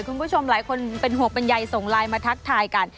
คุณผู้ชมหลายคนเป็นห่วงเป็นใยส่งไลน์มาทักทายกัน